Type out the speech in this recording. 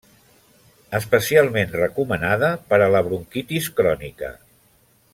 Especialment recomanada per a la bronquitis crònica.